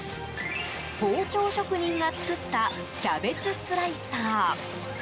包丁職人が作ったキャベツスライサー。